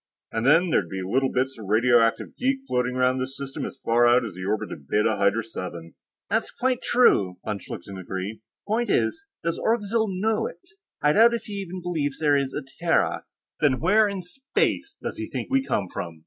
And then, there'd be little bits of radioactive geek floating around this system as far out as the orbit of Beta Hydrae VII." "That's quite true," von Schlichten agreed. "The point is, does Orgzild know it? I doubt if he even believes there is a Terra." "Then where in Space does he think we come from?"